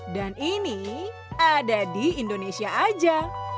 dan ini ada di indonesia aja